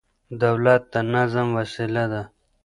دولت د نظم وسيله ده.